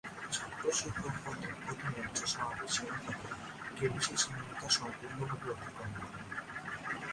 ছাত্র-শিক্ষক কথোপকথনের যে স্বাভাবিক সীমা থাকে, কেনি সেই সীমারেখা সম্পূর্ণভাবে অতিক্রম করে।